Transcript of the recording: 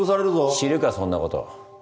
知るかそんなこと。